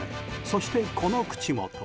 そして、この口元。